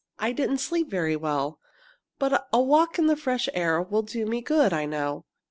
"I didn't sleep very well, but a walk in the fresh air will do me good, I know."